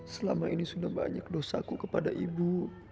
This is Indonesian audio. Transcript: selama ini sudah banyak dosaku kepada ibu